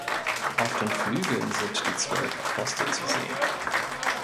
Auf den Flügeln sind die zwölf Apostel zu sehen.